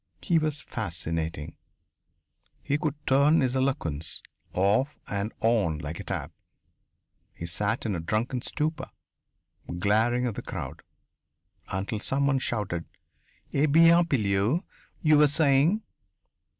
He was fascinating. He could turn his eloquence off and on like a tap. He sat in a drunken stupor, glaring at the crowd, until someone shouted: "Eh bien, Pilleux you were saying?"